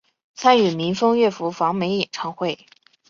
参与民风乐府访美演唱会。